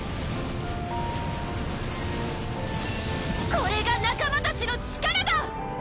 これが仲間たちの力だ！